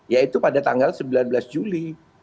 yaitu pada tanggal sembilan belas juli